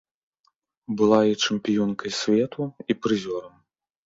Была і чэмпіёнкай свету, і прызёрам.